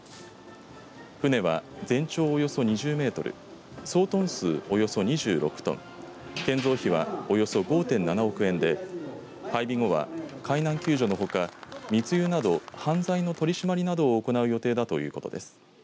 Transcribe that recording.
船は全長およそ２０メートル総トン数およそ２６トン建造費は、およそ５．７億円で配備後は海難救助のほか密輸など犯罪の取締りなどを行う予定だということです。